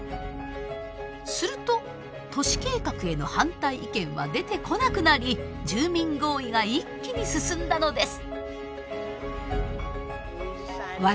すると都市計画への反対意見は出てこなくなり住民合意が一気に進んだのです。